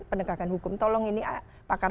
penegakan hukum tolong ini pakar